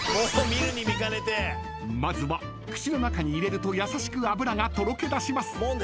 ［まずは口の中に入れると優しく脂がとろけだします］